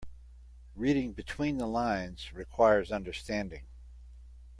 Reading between the lines requires understanding.